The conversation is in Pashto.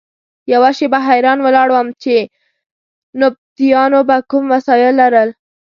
یوه شېبه حیران ولاړ وم چې نبطیانو به کوم وسایل لرل.